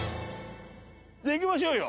じゃあ行きましょうよ。